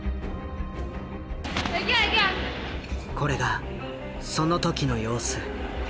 これがその時の様子。